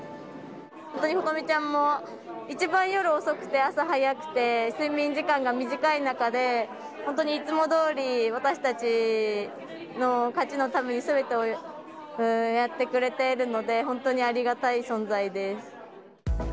本当に琴美ちゃんも、一番夜遅くて朝早くて、睡眠時間が短い中で、本当にいつもどおり、私たちの勝ちのためにすべてをやってくれているので、本当にありがたい存在です。